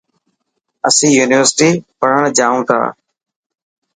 اسين يونيورسٽي پڙهڻ جائون ٿا.